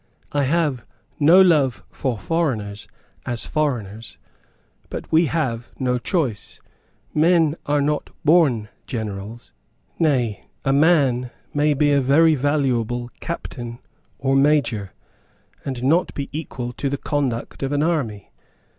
"I have no love for foreigners as foreigners; but we have no choice. Men are not born generals; nay, a man may be a very valuable captain or major, and not be equal to the conduct of an army.